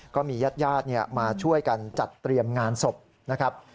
ก็มีญาติญาติมาช่วยกันจัดเตรียมงานศพนะครับ